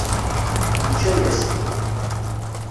Yečča-as-t.